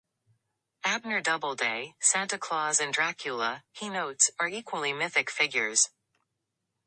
"Abner Doubleday, Santa Claus and Dracula," he notes, "are equally mythic figures.